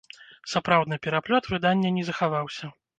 Сапраўдны пераплёт выдання не захаваўся.